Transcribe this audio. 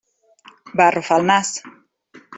Va arrufar el nas.